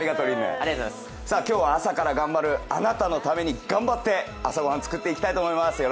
今日は朝から頑張るあなたのために、頑張って朝御飯作っていきたいと思います。